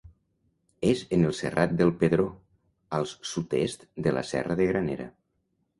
És en el Serrat del Pedró, al sud-est de la Serra de Granera.